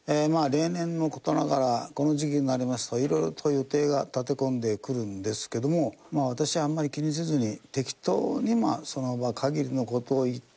例年の事ながらこの時期になりますと色々と予定が立て込んでくるんですけどもまあ私はあんまり気にせずに適当にその場限りの事を言って流していくと。